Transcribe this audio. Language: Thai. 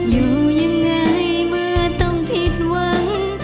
อยู่ยังไงเมื่อต้องผิดหวัง